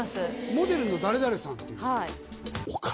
「モデルの誰々さん」って言う。